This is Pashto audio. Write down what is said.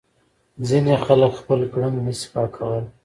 ځینې خلک خپل ګړنګ نه شي پاکولای.